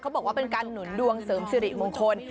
บอกว่าเป็นการหนุนดวงเสริมสิริมงคล